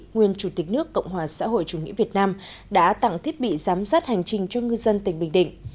nguyên chủ tịch nước cộng hòa xã hội chủ nghĩa việt nam đã tặng thiết bị giám sát hành trình cho ngư dân tỉnh bình định